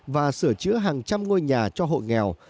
và sửa chữa hàng trăm ngôi nhà cho hộ nghèo